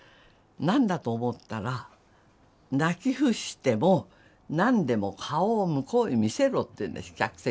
何だと思ったら「泣き伏しても何でも顔を向こうに見せろ」って言うんです客席へ。